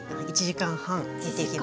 １時間半！